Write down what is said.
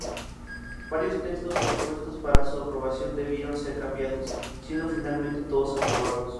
Varios textos propuestos para su aprobación debieron ser cambiados, siendo finalmente todos aprobados.